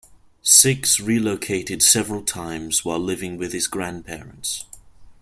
Sixx relocated several times while living with his grandparents.